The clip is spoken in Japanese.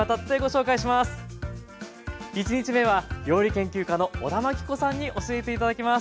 １日目は料理研究家の小田真規子さんに教えて頂きます。